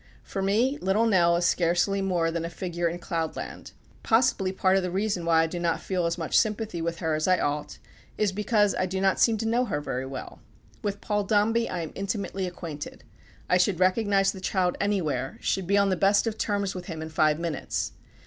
For me, Little Nell is scarcely more than a figure in cloudland. Possibly part of the reason why I do not feel as much sympathy with her as I ought, is because I do not seem to know her very well. With Paul Dombey I am intimately acquainted. I should recognize the child anywhere, should be on the best of terms with him in five minutes.